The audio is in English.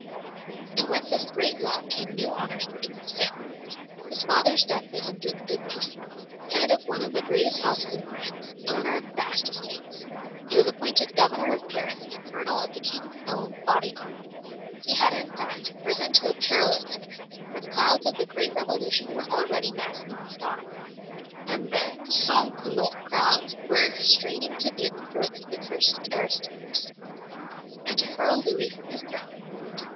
And with this great love came new honours for de Cossé. His father's death made him Duc de Brissac, head of one of the greatest houses in France, owner of vast estates. He was appointed Governor of Paris and Colonel of the King's own body guard. He had, in fact, risen to a perilous eminence; for the clouds of the great Revolution were already massing in the sky, and the sans culotte crowds were straining to be at the throats of the cursed "aristos," and to hurl Louis from his throne.